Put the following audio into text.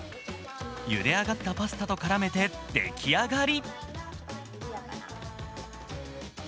ゆで上がったパスタと絡めて出来上がり。